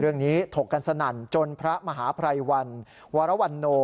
เรื่องนี้ถกกันสนั่นจนพระมหาพรายวรรณวรวรวรณโน